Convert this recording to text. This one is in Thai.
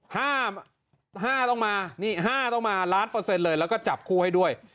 ห้าห้าต้องมานี่ห้าต้องมาล้านเปอร์เซ็นต์เลยแล้วก็จับคู่ให้ด้วย